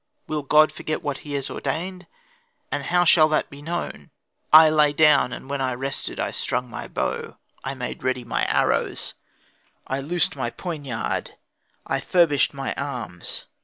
Will God forget what He has ordained, and how shall that be known?" I lay down; and when I had rested I strung my bow, I made ready my arrows, I loosened my poignard, I furbished my arms.